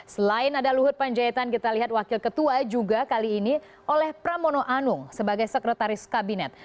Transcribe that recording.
selain ada luhut panjaitan kita lihat wakil ketua juga kali ini oleh pramono anung sebagai sekretaris kabinet